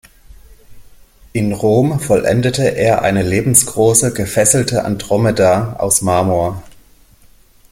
In Rom vollendete er eine lebensgroße "Gefesselte Andromeda" aus Marmor.